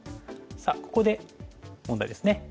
さあここで問題ですね。